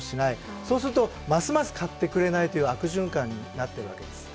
そうすると、ますます買ってくれないという悪循環になってるわけです。